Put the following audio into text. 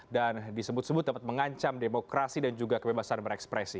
dan disebut sebut dapat mengancam demokrasi dan juga kebebasan berekspresi